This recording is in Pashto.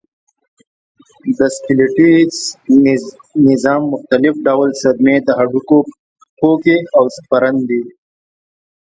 د سکلیټي سیستم مختلف ډول صدمې د هډوکو پوکی او سپرن دی.